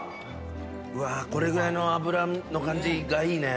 これぐらいの脂の感じがいいね。